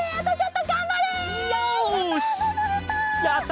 やった！